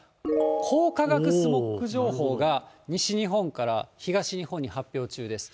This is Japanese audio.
光化学スモッグ情報が西日本から東日本に発表中です。